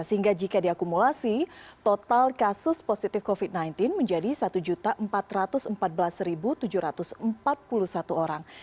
sehingga jika diakumulasi total kasus positif covid sembilan belas menjadi satu empat ratus empat belas tujuh ratus empat puluh satu orang